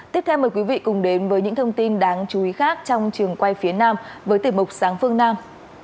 tiếp theo mời quý vị cùng đến với những thông tin đáng chú ý khác trong trường quay phía nam với tiểu mục sáng phương nam